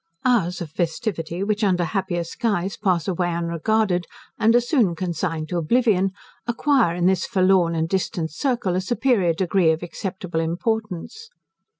Hours of festivity, which under happier skies pass away unregarded, and are soon consigned to oblivion, acquire in this forlorn and distant circle a superior degree of acceptable importance.